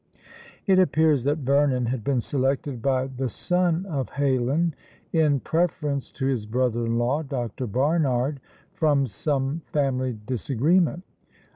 It appears that Vernon had been selected by the son of Heylin, in preference to his brother in law, Dr. Barnard, from some family disagreement.